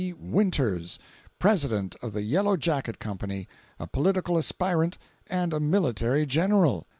WINTERS, President of the Yellow Jacket Company, a political aspirant and a military General?